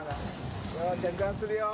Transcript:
着岸するよ。